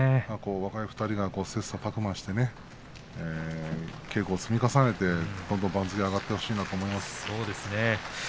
若い２人が切さたく磨して稽古を積み重ねてどんどん番付上がってほしいなと思います。